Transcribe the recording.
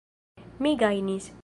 Mi gajnis!